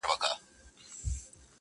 هري خوا ته يې سكروټي غورځولي!.